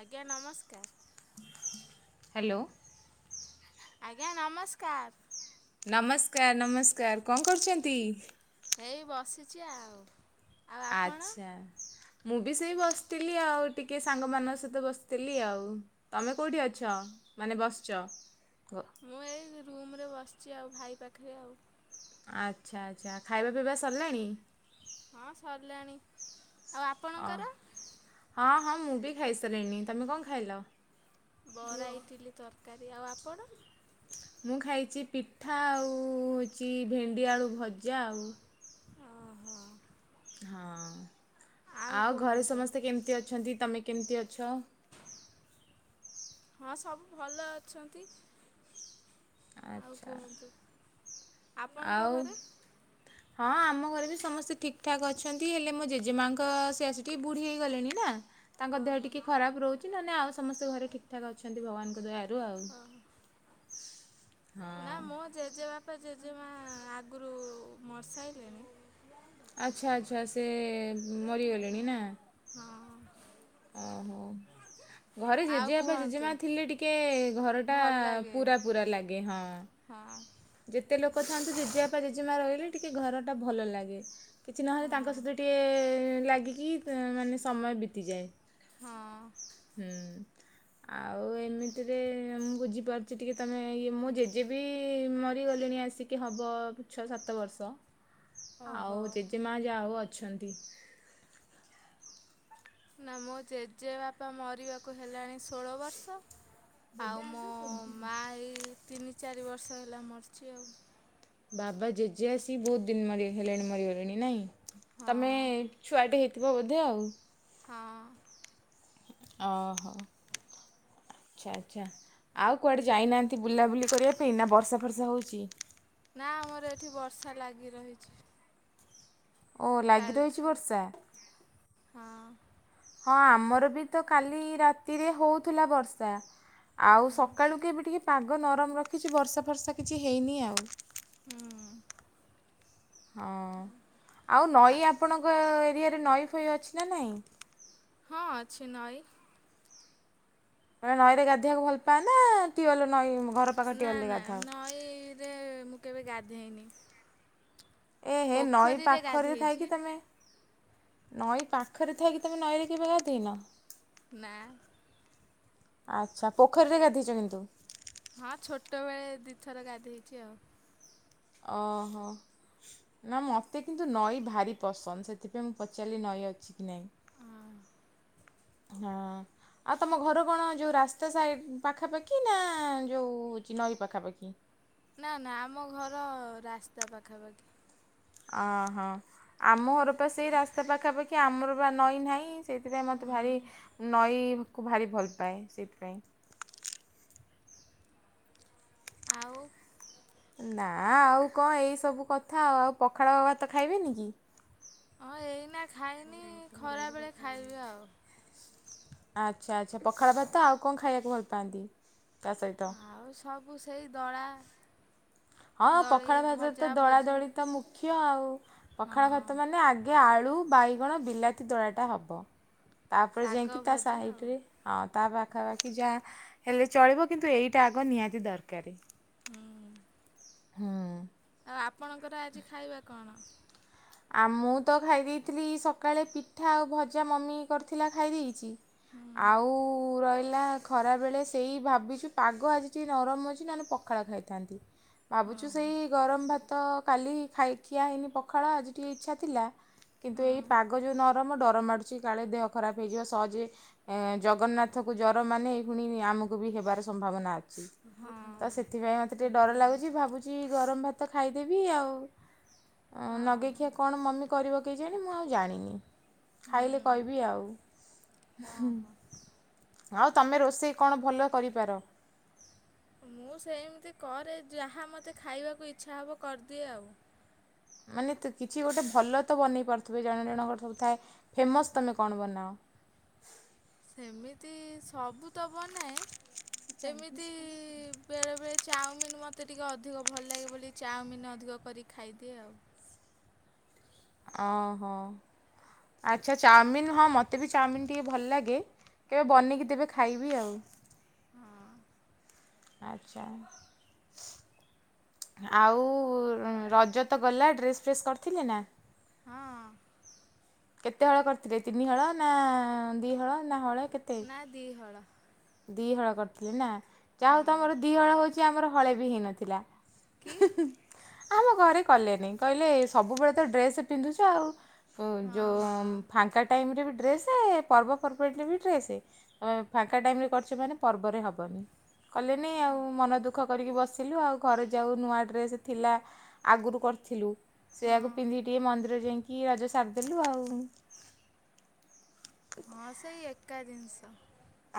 ଆଜ୍ଞା ନମସ୍କାର। ହ୍ୟାଲୋ। ଆଜ୍ଞା ନମସ୍କାର। ନମସ୍କାର ନମସ୍କାର କଣ କରୁଛନ୍ତି? ଏଇ ବସିଛି ଆଉ। ଆଉ ଆପଣ ଆଚ୍ଛା। ମୁଁ ବି ସେଇ ବସିଥିଲି ଆଉ ଟିକିଏ ସାଙ୍ଗମାନଙ୍କ ସହିତ ବସିଥିଲି ଆଉ। ତମେ କୋଉଠି ଅଛ ମାନେ ବସିଛ? ମୁଁ ଏଇ ରୁମ୍ ରେ ବସିଛି ଆଉ ଭାଇ ପାଖରେ ଆଉ। ଆଚ୍ଛା ଆଚ୍ଛା ଖାଇବା ପିଇବା ସରିଲାଣି? ହଁ ସରିଲାଣି ଆଉ ଅ ଆପଣଙ୍କର? ହଁ ହଁ ମୁଁ ବି ଖାଇ ସାରିଲିଣି ତମେ କଣ ଖାଇଲ? ବରା ଇଟିଲି ତରକାରୀ ଆଉ ଆପଣ? ମୁଁ ଖାଇଛି ପିଠା ଆଉ ହେଉଛି ଭେଣ୍ଡି ଆଳୁ ଭଜା ଆଉ। ହଁ ହଁ। ହଁ ଆଉ ଘରେ କୁହନ୍ତୁ ସମସ୍ତେ କେମିତି ଅଛନ୍ତି ତମେ କେମିତି ଅଛ? ହଁ ସବୁ ଭଲ ଅଛନ୍ତି। ଆଉ ଆଛା କୁହନ୍ତୁ ଆଛା ଆପଣଙ୍କ ଆଉ ଘରେ ହଁ ଆମ ଘରେ ବି ସମସ୍ତେ ଠିକ୍ ଠାକ୍ ଅଛନ୍ତି ହେଲେ ମୋ ଜେଜେମାଙ୍କ ସେ ଆସି କି ବୁଢୀ ହେଇଗଲେଣି ନା। ତାଙ୍କ ଦେହ ଓହୋ ଟିକିଏ ଖରାପ ରହୁଛି ନହେଲେ ଆଉ ସମସ୍ତେ ଘରେ ଠିକ୍ ଠାକ୍ ଅଛନ୍ତି ଭଗବାନଙ୍କ ଦୟାରୁ ଆଉ। ଓହୋ ନା ହଁ। ମୋ ଜେଜେବାପା ଜେଜେମା ଆଗରୁ ମରିସାଇଲେଣି। ଆଚ୍ଛା ଆଚ୍ଛା ସେ ମରିଗଲେଣି ନା। ହଁ। ଓହୋ। ଘରେ ଆଉ ଜେଜେବାପା କୁହନ୍ତୁ ଜେଜେମା ଥିଲେ ଟିକେ ଘରଟା ଭଲ ଲାଗେ ପୁରା ପୁରା ଲାଗେ ହଁ। ହଁ। ଯେତେ ଲୋକ ଥାଆନ୍ତୁ ଜେଜେବାପା ଜେଜେମା ରହିଲେ ଟିକେ ଘରଟା ଭଲ ଲାଗେ। କିଛି ନହେଲେ ହଁ ତାଙ୍କ ସହିତ ଟିକିଏ ଲାଗିକି ମାନେ ସମୟ ବିତିଯାଏ। ହଁ। ହୁଁ। ଆଉ ଏମିତିରେ ମୁଁ ବୁଝିପାରୁଛି ଟିକିଏ ତମେ ଇଏ ମୁଁ ଜେଜେ ବିି ମରିଗଲେଣି ଆସି ତିିକି ହେବ ଛଅ ସାତ ବର୍ଷ ଓହୋ ଆଉ ଜେଜେମା ଯାହା ହଉ ଅଛନ୍ତି। ନା ମୋ ଜେଜେବାପା ମରିବାକୁ ହେଲାଣି ଷୋହଳ ବର୍ଷ। ଆଉ ମୋ ମା ଏଇ ତିନି ଚାରି ବର୍ଷ ହେଲା ମରିଛି ଆଉ। ବାବା ଜେଜେ ଆସି ବହୁତ ଦିନ ମରି ହେଲେଣି ମରିଗଲେଣି ନାଇଁ ହଁ ତମେ ଛୁଆଟେ ହେଇଥିବ ବୋଧେ ଆଉ? ହଁ। ଓହୋ। ଆଚ୍ଛା ଆଚ୍ଛା ଆଉ କୁଆଡ଼େ ଯାଇନାହାନ୍ତି ବୁଲାବୁଲି କରିବା ପାଇଁ ନା ବର୍ଷା ଫର୍ଷା ହଉଛି? ନା ଆମର ଏଠି ବର୍ଷା ଲାଗି ରହିଛି। ଓ ଲାଗି ରହିଛି କାଲଠୁ ବର୍ଷା ହଁ। ହଁ ଆମର ବି ତ କାଲି ରାତିରେ ହଉଥିଲା ବର୍ଷା। ଆଉ ହୁଁ ସକାଳୁକୁ ଏବେ ଟିକି ପାଗ ନରମ ରଖିଛି ବର୍ଷା ଫର୍ଷା କିଛି ହେଇନି ଆଉ ହୁଁ। ହଁ ଆଉ ନଈ ଆପଣଙ୍କ ଏରିଆରେ ନଈ ଫଇ ଅଛି ନା ନାହିଁ? ହଁ ଅଛି ନଈ। ତମେ ନଈରେ ଗାଧୋଇବାକୁ ଭଲ ପାଏ ନା ଟିବଲ ନଈ ଘର ପାଖ ନା ଟ୍ୟୁୱେଲରେ ନା ଗାଧାଅ। ନଈରେ ମୁଁ କେବେ ଗାଧେଇନି। ଏ ହେ ନଈ ପୋଖରୀରେ ପାଖରେ ଗାଧେଇଛି ଥାଇକି ତମେ ନଈ ପାଖରେ ଥାଇକି ତୁମେ ନଈରେ କେବେ ଗାଧେଇନ? ନା। ଆଚ୍ଛା ପୋଖରୀରେ ଗାଧୋଇଛ କିନ୍ତୁ। ହଁ ଛୋଟ ବେଳେ ଦିଥର ଗାଧେଇଛି ଆଉ ଓହୋ। ନା ମୋତେ କିନ୍ତୁ ନଈ ଭାରି ପସନ୍ଦ ସେଥିପାଇଁ ମୁଁ ପଚାରିଲି ନଈ ଅଛି କି ନାହିଁ? ହଁ। ହଁ। ଆଉ ତମ ଘର କଣ ଯୋଉ ରାସ୍ତା ସାଇଡ଼୍ ପାଖାପାଖି ନା ଯୋଉ ହଉଛି ନଈ ପାଖାପାଖି? ନା ନା ଆମ ଘର ରାସ୍ତା ପାଖାପାଖି। ଅ ହଁ ଆମ ଘର ପା ସେଇ ରାସ୍ତା ପାଖାପାଖି ଆମର ବା ନଈ ନାହିଁ? ସେଇଥିପାଇଁ ମୋତେ ହୁଁ ଭାରି ନଈକୁ ଭାରି ଭଲ ପାଏ ସେଇଥିପାଇଁ। ଆଉ ନା ଆଉ କଣ ଏଇସବୁ କଥା ଆ ଆଉ ପଖାଳ ଭାତ ଖାଇବେନି କି? ହଁ ଏଇନା ଖାଇନି ଖରାବେଳେ ଖାଇବି ଆଉ ଆଚ୍ଛା ଆଚ୍ଛା ପଖାଳ ଭାତ ଆଉ କଣ ଖାଇବାକୁ ଭଲ ପାଆନ୍ତି ତା ସହିତ? ଆଉ ସବୁ ସେଇ ଦଳା ହଁ ଦଳି ପଖାଳ ଭାତ ତ ଭଜା ଦଳା ଭଜି ଦଳି ତ ମୁଖ୍ୟ ଆଉ ପଖାଳ ହଁ ଭାତ ମାନେ ଆ ଆଜ୍ଞା ଆଳୁ ବାଇଗଣ ବିଲାତି ଦଳାଟା ହବ ତାପରେ ଶାଗ ଯାଇକି ତା ଭଜା ଆଉ ସାଇଡ଼ରେ ହଁ ତା ପାଖାପାଖି ଯାହା ହେଲେ ଚଳିବ କିନ୍ତୁ ଏଇଟା ଆଗ ନିହାତି ଦରକାରୀ। ହୁଁ। ହୁଁ। ଆଉ ଆପଣଙ୍କର ଆଜି ଖାଇବା କଣ? ଆ ମୁଁ ତ ଖାଇ ଦେଇଦେଇଥିଲି ସକାଳେ ପିଠା ଆଉ ଭଜା ମମି କରିଥିଲା ଖାଇ ଦେଇଛି। ହୁଁ ଆଉ ରହିଲା। ଖରାବେଳେ ସେଇ ଭାବିଛୁ ପାଗ ଆଜି ଟିକିଏ ନରମ ଅଛି ନହେଲେ ପଖାଳ ଖାଇଥାନ୍ତି। ହଁ ଭାବୁଛୁ ସେଇ ଗରମ ଭାତ କାଲି ଖିଆ ହେଇନି ପଖାଳ ଆଜି ଟିକେ ଇଚ୍ଛା ଥିଲା। କିନ୍ତୁ ହୁଁ ଏଇ ପାଗ ଯୋଉ ନରମ ଡରମାଡୁଛି କାଳେ ଦେହ ଖରାପ ହେଇଯିବ ସହଜେ ଏ ଜଗନ୍ନାଥକୁ ଜର ମାନେ ପୁଣି ଆମକୁ ବି ହେବାର ସମ୍ଭାବନା ଅଛି। ହଁ ତ ସେ ସେଥିପାଇଁ ମୋତେ ଟିକି ଡର ଲାଗୁଛି ଭାବୁଛି ଗରମ ଭାତ ଖାଇଦେବି ଆଉ ନଗେଇକି ଓହୋ ଦେଖିଆ କଣ ମମି କରିବ କେଜାଣି ମୁଁ ଆଉ ଜାଣିନି। ହୁଁ ଖାଇଲେ କହିବି ହଁ ଆଉ। ହଁ। ଆଉ ତମେ ରୋଷେଇ କଣ ଭଲରେ କରିପାର? ମୁଁ ସେମିତି କରେ ଯାହା ମୋତେ ଖାଇବାକୁ ଇଚ୍ଛା ହବ କରିଦିଏ ଆଉ। ମାନେ ତ କିଛି ଗୋଟେ ଭଲ ତ ବନେଇ ପାରୁଥିବେ ଜଣେ ଜଣଙ୍କର ସବୁ ଥାଏ ଫେମସ୍ ତୁମେ କଣ ବନାଅ? ସେମିତି ସବୁ ତ ବନାଏ ଏମିତି ବେଳେବେଳେ ଚାଉମିନ୍ ମୋତେ ଟିକିଏ ଅଧିକ ଭଲ ଲାଗେ ବୋଲି ଚାଉମିିନ ଅଧିକ କରିକି ଖାଇଦିଏ ଆଉ। ଓହୋ ଆଚ୍ଛା ଚାଓମିିନ ହଁ ମୋତେ ବି ଚାଉମିିନ ଟିକେ ଭଲ ଲାଗେ। କେବେ ବନେଇକି ଦେବେ ଖାଇବି ଆଉ। ହଁ। ଆଚ୍ଛା। ଆଉ ର ରଜ ତ ଗଲା ଡ୍ରେସ୍ ଫ୍ରେସ୍ କରିଥିଲେ ନା? ହଁ। କେତେ ହଳ କରିଥିଲେ ତିନି ହଳ ନା ଦିହଳ ନା ହଳେ କେତେ? ଆ ଦିହଳ। ଦିଇହଳ କରିଥିଲି ନା ଯା ହଉ ହଁ ତମର ଦିଇହଳ ହଉଛି ଆମର ହଳେ ବି ହେଇନଥିଲା। କି? ଆମ ଘରେ କଲେନି କହିଲେ ସବୁବେଳେ ତ ଡ୍ରେସ ପିନ୍ଧୁଛ ଆଉ। ଓ ହଁ ଯୋଉ ହଁ ଫାଙ୍କ ଫାଙ୍କା ଟାଇମ୍ ରେ ବି ଡ୍ରେସେ ପର୍ବପର୍ବାଣିରେ ବି ଡ୍ରେସେ ଫାଙ୍କା ଟାଇମ୍ ରେ କରିଛ ମାନେ ପର୍ବରେ ହବନି କଲିନି ଆଉ ମନ ଦୁଃଖ କରିକି ବସିଲୁ ଆଉ ଘରେ ଯୋଉ ନୂଆ ଡ୍ରେସ ଥିଲା ଆଗରୁ କରିଥିଲୁ ହଁ ସେୟଆକୁ ପିନ୍ଧିକି ଟିକେ ମନ୍ଦିର ଯାଇକି ରଜ ସାରିଦେଲୁ ଆଉ। ହଁ ସେଇ ଏକା ଜିନିଷ।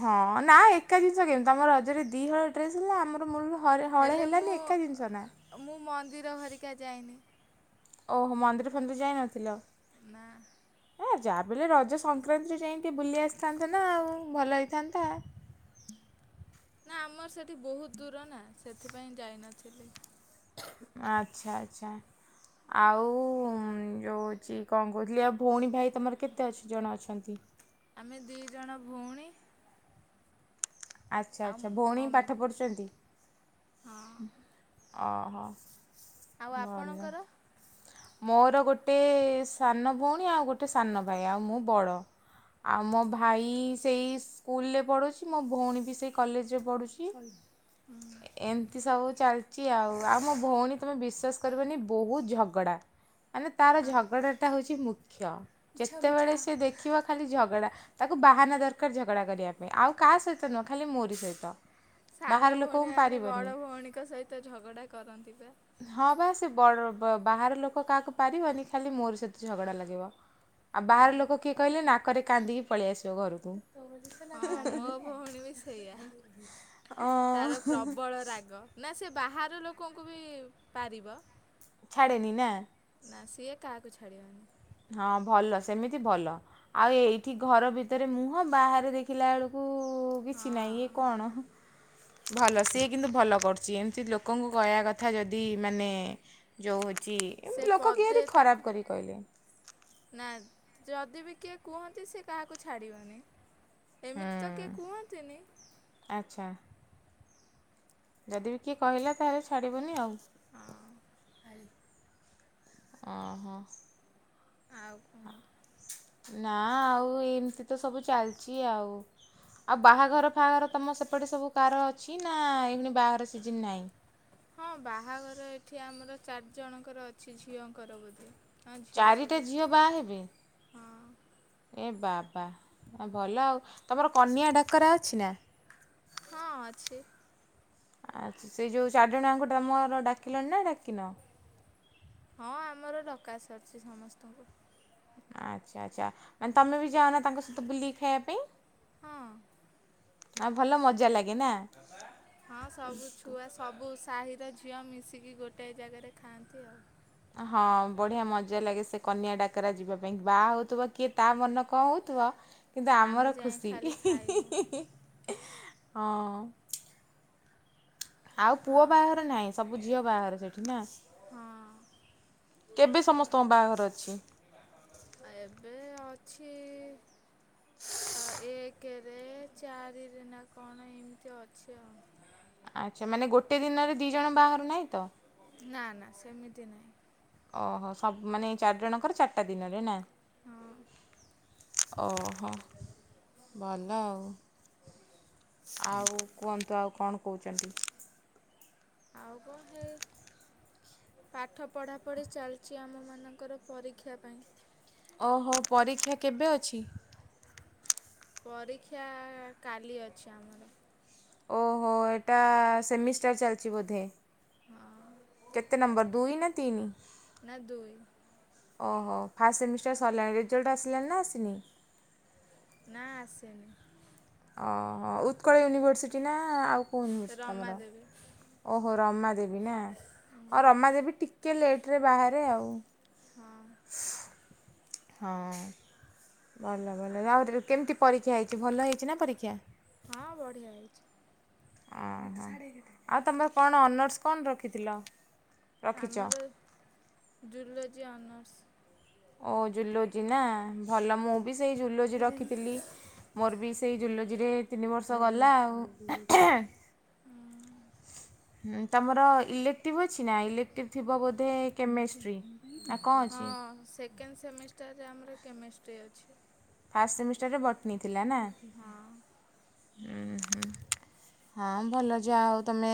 ହଁ ନା ଏକା ଜିନିଷ କେମିତି ତମର ରଜରେ ଦିହଳ ଡ୍ରେସ ହେଲା ଆମର ମୂଳ ହେଲେ ମୁଁ ମୁଁ ମନ୍ଦିର ହେରିକା ଯାଇନି। ଓହୋ ମନ୍ଦିର ଫନ୍ଦିର ଯାଇନଥିଲ। ନା। ଏ ଯାହାଭି ହେଲେ ରଜ ସଂକ୍ରାନ୍ତିରେ ଯାଇକି ବୁଲି ଆସିଥାନ୍ତେ ନା ଆଉ ଭଲ ହେଇଥାନ୍ତା। ନା ଆମର ସେଠି ବହୁତ ଦୂର ନା ସେଥିପାଇଁ ଯାଇନଥିଲି। ଆଚ୍ଛା ଆଚ୍ଛା। ଆଉ ଯୋଉ ହେଉଛି କଣ କହୁଥିଲି ଆଉ ଭଉଣୀ ଭାଇ ତମର କେତେ ଅଛି ଜଣ ଅଛନ୍ତି? ଆମେ ଦିଇ ଜଣ ଭଉଣୀ। ଆଚ୍ଛା ଆଉ ଆଚ୍ଛା ଭଉଣୀ ମମି ପାଠ ପଢ଼ୁଛନ୍ତି? ହଁ। ଅ ହ ଆଉ ଭଲ। ଆପଣଙ୍କର [inaudible] ମୋର ଗୋଟେ ସାନ ଭଉଣୀ ଆଉ ଗୋଟେ ସାନ ଭାଇ ଆଉ ମୁଁ ବଡ଼। ଆଉ ମୋ ଭାଇ ସେଇ ସ୍କୁଲରେ ପଢ଼ୁଛି ମୋ ଭଉଣୀ ବି ସେଇ କଲେଜରେ ପଢ଼ୁଛି। ଏମିତି ସବୁ ଚାଲି ଚି ଆଉ ଆଉ ମୋ ଭଉଣୀ ତୁମେ ବିଶ୍ୱାସ କରିବନି ବହୁତ ଝଗଡ଼ା। ମାନେ ତାର ଝଗଡ଼ାଟା ହଉଛି ମୁଖ୍ୟ ଯେତେବେଳେ ସେ ଦେଖିବ ଖାଲି ଝଗଡ଼ା। ତାକୁ ବାହାନା ଦରକାର ଝଗଡା କରିବା ପାଇଁ ଆଉ କାହା ସହିତ ନୁହଁ ଖାଲି ମୋରି ସହିତ। ସାନ ବାହାର ଲୋକଙ୍କୁ ଭଉଣୀମାନେ ବଡ଼ ପାରିବନି ଭଉଣୀଙ୍କ ସହିତ ଝଗଡ଼ା କରନ୍ତି ବା। ହଁ ବା ସେ ବ ବାହାର ଲୋକ କାହାକୁ ପାରିବନି ଖାଲି ମୋରି ସହିତ ଖାଲି ଝଗଡ଼ା ଲଗେଇବ। ଆଉ ବାହାର ହଁ ଲୋକ କିଏ କହିଲେ ନାକରେ କାନ୍ଦିକି ପଳେଇ ଆସିବ ଘରକୁ। ହଁ ମୋ ଭଉଣୀ ବି ସେଇଆ ଅ ତାର ପ୍ରବଳ ରାଗ। ନା ସେ ବାହାର ଲୋକଙ୍କୁ ବି ପାରିବ। ଛାଡ଼େନି ନା? ନା ସିଏ କାହାକୁ ଛାଡ଼ିଅନି। ହଁ ଭଲ ସେମିତି ଭଲ। ଆଉ ଏଇଠି ଘର ଭିତରେ ମୁହଁ ବାହାରେ ଦେଖିଲା ବେଳକୁ କିଛି ନାଇଁ ଇଏ ହଁ କଣ? ଭଲ ସିଏ କିନ୍ତୁ ଭଲ କରୁଛି ଏମିତି ଲୋକଙ୍କୁ କହିବା କଥା ଯଦି ମାନେ ଯେଉଁ ହେଉଛି ସେ ଏମିତି ଲୋକ ପଦେ କିଏବି ତାକୁ ଖରାପ କରିକି କହିଲେ। ନା ଯଦି ବି କିଏ କୁହନ୍ତି ସେ କାହାକୁ ଛାଡ଼ିଅନି। ହଁ ଆଚ୍ଛା। ଯଦି ବି କିଏ କହିଲା ତାହେଲେ ଛାଡ଼ିବନି ଆଉ। ହଁ। ହଁ ହଁ। ଆଉ କଣ? ନା ଆଉ ଏମିତି ତ ସବୁ ଚାଲିଛି ଆଉ। ଆଉ ବାହାଘର ଫାହାଘର ତମ ସେପଟେ ସବୁ କାର ଅଛି ନା ଏଇନୁ ବାହାଘର ସିଜନ୍ ନାହିଁ। ହଁ ବାହାଘର ଏଠି ଆମର ଚାରିଜଣଙ୍କର ଅଛି ଝିଅଙ୍କର ବୋଧେ। ହଁ ଝିଅ ଚାରିଟା ସବୁ ଝିଅ ବାହା ହେବେ ହଁ ଏ ବାବା ଭଲ ଆଉ ତମର କନିଆ ଡାକରା ଅଛି ନା। ହଁ ଅଛି। ଆ ସେ ଯେଉଁ ଚାରିଜଣ ଯାକଙ୍କୁ ତମର ଡାକିଲଣି ନା ଡାକିନ। ହଁ ଆମର ଡକା ସରିଛି ସମସ୍ତଙ୍କୁ। ଆଚ୍ଛା ଆଚ୍ଛା ମାନେ ତମେ ବି ଯାଅନା ତାଙ୍କ ସହିତ ବୁଲିକି ଖାଇବା ପାଇଁ। ହଁ ଆଉ ଭଲ ମଜା ଲାଗେ ନା। ବାପା ହଁ ସବୁ ଛୁଆ ସବୁ ସାହିର ଝିଅ ମିଶିକି ଗୋଟେ ଜାଗାରେ ଖାଆନ୍ତି ଆଉ। ହଁ ବଢିଆ ମଜା ଲାଗେ ସେ କନ୍ୟା ଡାକରା ଯିବା ପାଇଁ ବାହା ହଉଥିବ କିଏ ତା ମନ କଣ ହଉଥିବ। କିନ୍ତୁ ଆମେ ଆମର ଯାଇ ଖୁସି ଖାଲି ଖାଇବୁ ହଁ। ଆଉ ପୁଅ ବାହାଘର ନାହିଁ ସବୁ ଝିଅ ବାହାଘର ସେଠି ନା ହଁ କେବେ ସମସ୍ତଙ୍କ ବାହାଘର ଅଛି। ଏବେ ଅଛି ଏକେ। ଚାରିରେ ନା କଣ ଏମିତି ଅଛି ଆଉ। ଆଚ୍ଛା ମାନେ ଗୋଟେ ଦିନରେ ଦି ଜଣ ବାହାଘର ନାହିଁ ତ? ନା ନା ସେମିତି ନାହିଁ ଓହୋ ସବୁ ମାନେ ଚାରିଜଣଙ୍କର ଚାରିଟା ଦିନରେ ନା ହଁ ଓହୋ ଭଲ ଆଉ। ଆଉ କୁହନ୍ତୁ ଆଉ କଣ କହୁଛନ୍ତି। ଆଉ କଣ ହେଇ। ପାଠ ପଢ଼ାପଢ଼ି ଚାଲିଛି ଆମମାନଙ୍କର ପରୀକ୍ଷା ପାଇଁ। ଓହୋ ପରୀକ୍ଷା କେବେ ଅଛି। ପରୀକ୍ଷା କାଲି ଅଛି ଆମର। ଓହୋ ଏଟା ସେମିଷ୍ଟାର ଚାଲିଛି ବୋଧେ। ହଁ କେତେ ନମ୍ବର ଦୁଇ ନା ତିନ ନା ଦୁଇ ଓହୋ ଫାଷ୍ଟ ସେମିଷ୍ଟାର୍ ସରିଲାଣି ରେଜଲ୍ଟ ଆସିଲାନି ନା ଆସିନି? ନା ଆସେନି। ଅ ହଁ ଉତ୍କଳ ୟୁନିଭର୍ସିଟି ନା ଆଉ କୋ ୟୁନିଭେର୍ସିଟି ରମା ତମର। ଦେବୀ ଓହୋ ରମା ଦେେବୀ ନା ଅ ରମାଦେବୀ ଟିକ ଟିକିଏ ଲେଟ୍ ରେ ବାହାରେ ଆଉ। ହଁ। ହଁ ଭଲ ଭଲ। ଆହୁରି କେମିତି ପରୀକ୍ଷା ହେଇଛି ଭଲ ହେଇଛି ନା ପରୀକ୍ଷା? ହଁ ବଢ଼ିଆ ହେଇଚି। ଅ ହ। ଆଉ ତମର କଣ ଅନର୍ସ କଣ ରଖିଥିଲ? ରଖିଛ ଆମର ଜୁଲୋଜି ଅନର୍ସ। ଓ ଜୁଲୋଜି ନା ଭଲ ମୁଁ ବି ସେଇ ଜୁଲୋଜି ରଖିଥିଲି। ମୋର ବି ସେଇ ଜୁଲୋଜିରେ ତିନି ବର୍ଷ ଗଲା ଆଉ। [unintelligible] ତମର ଇଲେକ୍ଟିଭ୍ ଅଛି ନା ଇଲେକ୍ଟିଭ୍ ଥିବ ବୋଧେ କେମେଷ୍ଟ୍ରି। ନା କଣ ହଁ ଅଛି? ସେକେଣ୍ଡ ସେମିଷ୍ଟାରରେ ଆମର କେମିଷ୍ଟ୍ରି ଅଛି। ଫାଷ୍ଟ ସେମିଷ୍ଟରରେ ବଟ୍‌ନି ଥିଲା ନା। ହଁ ହୁଁ ହୁ। ହଁ ଭଲ ଯାଆ ହେଉ ତମେ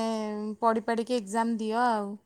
ପଡ଼ି ପାଡ଼ିକି ଏକ୍ଜାମ ଦିଅ ଆଉ।